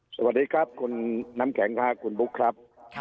สวัสดีครับคุณน้ำแข็งค่ะคุณบุ๊คครับ